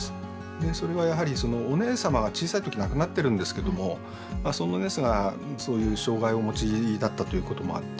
でそれはやはりお姉様が小さい時に亡くなってるんですけどもそのお姉様がそういう障害をお持ちだったということもあって